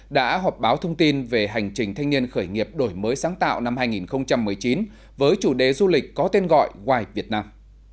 đã họp báo thông tin về hành trình thanh niên khởi nghiệp đổi mới sáng tạo năm hai nghìn một mươi chín với chủ đề du lịch có tên gọi why việt nam